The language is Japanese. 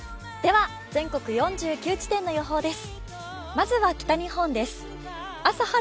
全国４９地点の予報です。